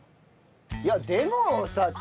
いやでもさ。